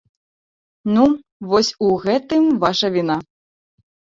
Ну, вось, у гэтым ваша віна.